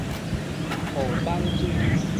防蠓水